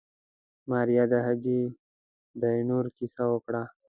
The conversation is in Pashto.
ماريا د حاجي خداينور کيسه وکړه.